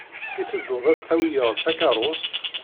I teddud ad d-tawyed takeṛṛust?